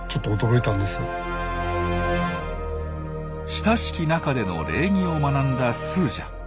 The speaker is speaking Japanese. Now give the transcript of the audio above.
親しき仲での礼儀を学んだスージャ。